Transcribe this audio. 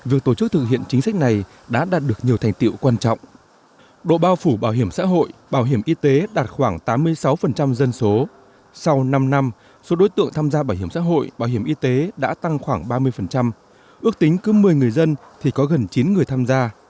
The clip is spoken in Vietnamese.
ước tính cứ một mươi người dân thì có gần chín người tham gia